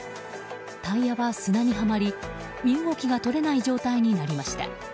タイヤは砂にはまり身動きが取れない状態になりました。